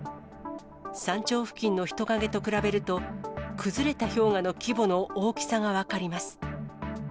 山頂付近の人影と比べると、崩れた氷河の規模の大きさが分かります。